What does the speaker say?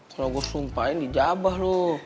kalo gue sumpahin di jabah lo